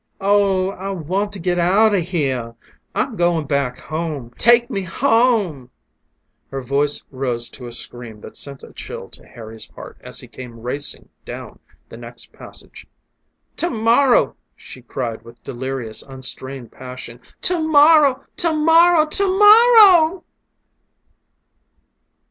"Oh, I want to get out of here! I'm going back home. Take me home" her voice rose to a scream that sent a chill to Harry's heart as he came racing down the next passage "to morrow!" she cried with delirious, unstrained passion "To morrow! To morrow! To morrow!"